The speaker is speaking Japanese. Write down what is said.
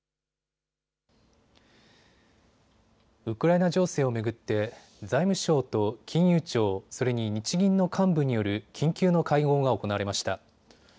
ウクライナ情勢を巡って財務省と金融庁、それに日銀の幹部による緊急の会合が行われました。